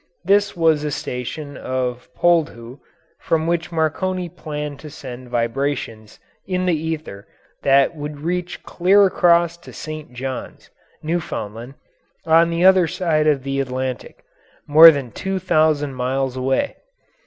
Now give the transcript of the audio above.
This was the station of Poldhu, from which Marconi planned to send vibrations in the ether that would reach clear across to St. Johns, Newfoundland, on the other side of the Atlantic more than two thousand miles away.